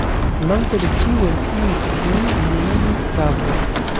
Manko de ĉiu el tiuj kvin li nomis "kavoj".